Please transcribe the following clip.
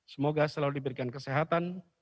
semoga selalu diberikan kesehatan